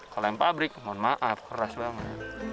kalau yang pabrik mohon maaf keras banget